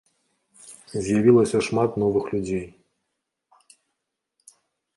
З'явілася шмат новых людзей.